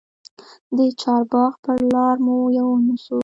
د چارباغ پر لار مو یون سو